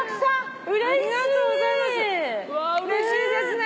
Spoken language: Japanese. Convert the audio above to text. うれしいですね。